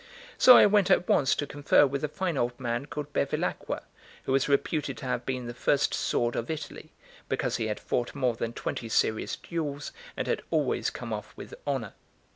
So I went at once to confer with a fine old man called Bevilacqua, who was reputed to have been the first sword of Italy, because he had fought more than twenty serious duels and had always come off with honour.